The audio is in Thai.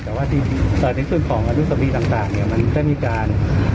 แต่ว่าในส่วนของอนุสมีต์ต่างเนี่ยมันก็มีการ